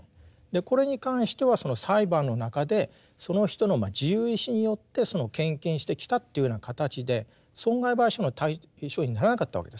これに関してはその裁判の中でその人の自由意思によってその献金してきたというような形で損害賠償の対象にならなかったわけです。